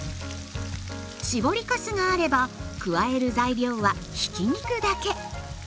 搾りかすがあれば加える材料はひき肉だけ。